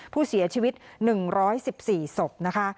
ผู้เสียชีวิต๑๑๔ศพนะคะ